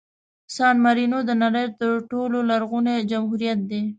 سان مارینو د نړۍ تر ټولو لرغوني جمهوریت دی.